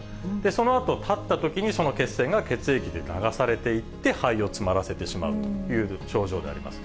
そのあと立ったときに、その血栓が血液で流されていって、肺を詰まらせてしまうという症状であります。